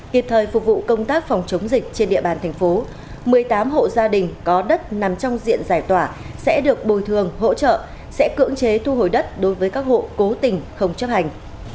kịp thời phục vụ công tác phòng chống dịch trên địa bàn thành phố một mươi tám hộ gia đình có đất nằm trong diện giải tỏa sẽ được bồi thường hỗ trợ sẽ cưỡng chế thu hồi đất đối với các hộ cố tình không chấp hành